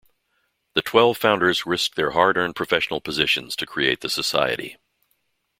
The twelve founders risked their hard-earned professional positions to create the society.